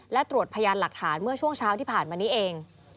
และตรวจพยานหลักฐานเมื่อช่วงเช้าที่ผ่านมานี้เอง